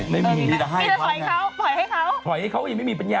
โอ้แบบน้อยครั้งนี้บ้าแบบน้อย